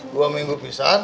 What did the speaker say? dua minggu pisah